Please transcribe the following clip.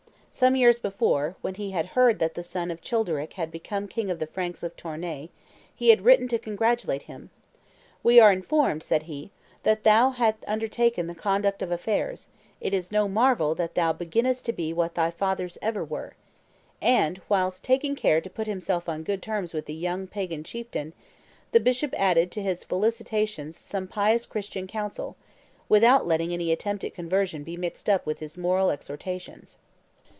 Some years before, when he had heard that the son of Childeric had become king of the Franks of Tournai, he had written to congratulate him: "We are informed," said he, "that thou halt undertaken the conduct of affairs; it is no marvel that thou beginnest to be what thy fathers ever were;" and, whilst taking care to put himself on good terms with the young pagan chieftain, the bishop added to his felicitations some pious Christian counsel, without letting any attempt at conversion be mixed up with his moral exhortations.